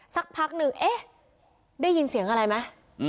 สักพักหนึ่งเอ๊ะได้ยินเสียงอะไรไหม